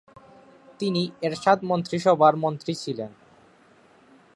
তিনি এরশাদ মন্ত্রীসভার মন্ত্রী ছিলেন।